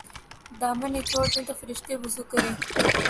دامن نچوڑ دیں تو فرشتے وضو کریں''